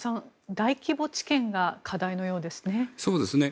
大規模治験が課題のようですね。